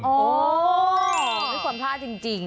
มีความพลาดจริง